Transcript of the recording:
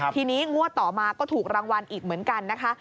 ทีนี้งวดต่อมาก็ถูกรางวัลอีกเหมือนกันนะคะ